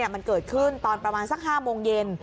มันเกิดขึ้นตอนประมาณสัก๕โมงเย็น